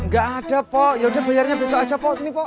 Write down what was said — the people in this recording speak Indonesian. gak ada pok yaudah bayarnya besok aja pok sini pok